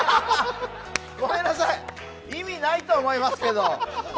ごめんなさい、意味ないと思いますけど。